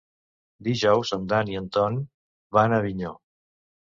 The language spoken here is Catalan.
Dijous en Dan i en Ton van a Avinyó.